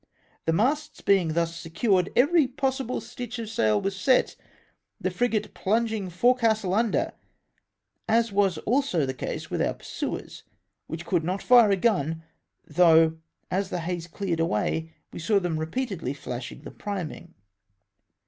The masts being thus secured, every possible stitch of sail was set, the frigate plunging forecastle under, as was also the case with our pursuers, which could not fire a gun — though as the haze cleared away we saw them repeatedly flash ing the priming.